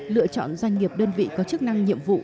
lựa chọn doanh nghiệp đơn vị có chức năng nhiệm vụ